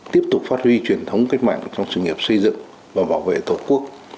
tiếp tục phát huy truyền thống cách mạng trong sự nghiệp xây dựng và bảo vệ tổ quốc